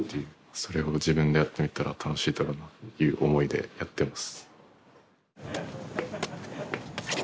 それを自分がやってみたら楽しいだろうなっていう思いでやってます。